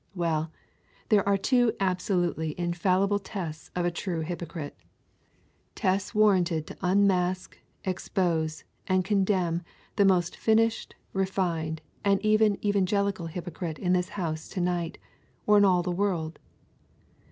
Well, there are two absolutely infallible tests of a true hypocrite, tests warranted to unmask, expose, and condemn the most finished, refined, and even evangelical hypocrite in this house to night, or in all the world.